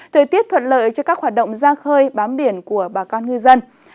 thời tiết thuận lợi cho các hoạt động ra khơi bám biển của bà con ngư dân